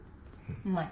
うまい？